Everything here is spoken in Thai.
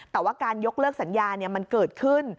แต่ว่าการยกเลิกสัญญามันเกิดขึ้น